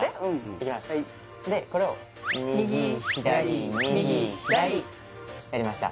いきますでこれを右左右左やりました